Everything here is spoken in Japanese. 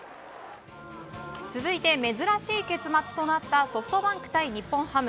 続いて珍しい結末となったソフトバンク対日本ハム。